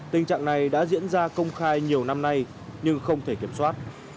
tình trạng này đã diễn ra công khai nhiều năm nay nhưng không thể kiểm soát